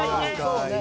そうね。